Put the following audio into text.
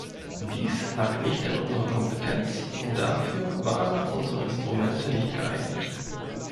Dies lag nicht in unserer Kompetenz und dafür waren auch unsere Instrumente nicht geeignet.